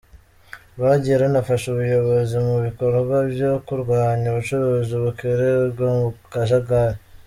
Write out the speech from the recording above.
Rwagiye runafasha ubuyobozi mu bikorwa byo kurwanya ubucuruzi bukorerwa mu kajagari.